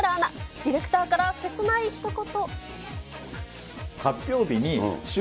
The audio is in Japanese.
ディレクターから切ないひと言。